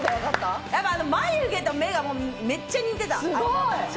眉毛と目が、めっちゃ似てた。